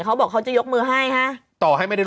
เขาบอกเขาจะยกมือให้ฮะต่อให้ไม่ได้